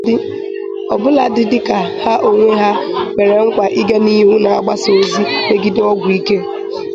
ọbụladị dịka ha onwe ha kwere nkwà ịga n'ihu na-agbasa ozi megide ọgwụ ike.